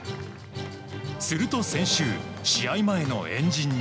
すると先週、試合前の円陣に。